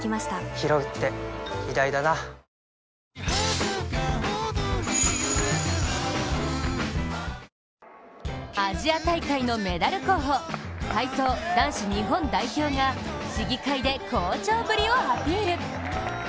ひろうって偉大だなアジア大会のメダル候補、体操男子日本代表が試技会で好調ぶりをアピール。